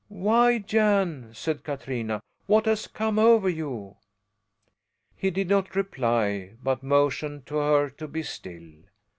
"Why, Jan!" said Katrina, "what has come over you?" He did not reply, but motioned to her to be still.